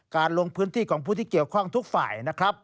การลงพื้นที่ของผู้ที่เกี่ยวข้องทุกฝ่าย